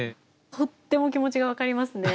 とっても気持ちが分かりますね。